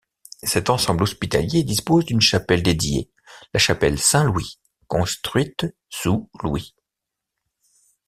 Cet ensemble hospitalier dispose d'une chapelle dédiée, la chapelle Saint-Louis, construite sous Louis.